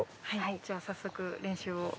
じゃ、早速練習を。